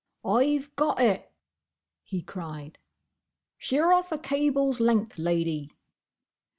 "I've got it!" he cried. "Sheer off a cable's length, Lady."